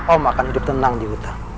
om akan hidup tenang di hutan